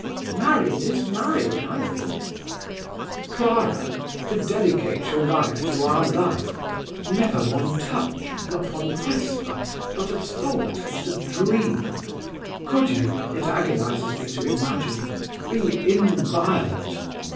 "Married is married, I think." "Clara! to dedicate your life to our love! Never one touch; not one whisper! not a thought, not a dream! Could you it agonizes me to imagine ... be inviolate?